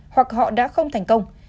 hoặc họ đã không thành công